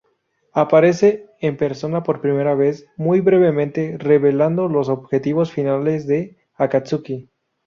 Aparece en persona por primera vez muy brevemente, revelando los objetivos finales de Akatsuki.